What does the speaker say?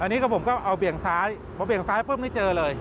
อันนี้ผมก็เอาเบี่ยงซ้ายเพิ่มนี่เจอเลย